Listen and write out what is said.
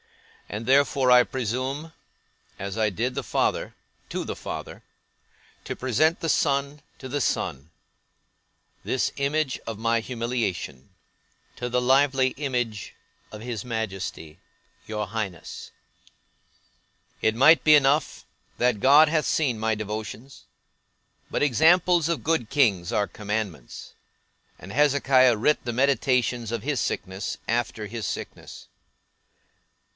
And therefore, I presume (as I did the father, to the Father) to present the son to the Son; this image of my humiliation, to the lively image of his Majesty, your Highness. It might be enough, that God hath seen my devotions: but examples of good kings are commandments; and Hezekiah writ the meditations of his sickness, after his sickness.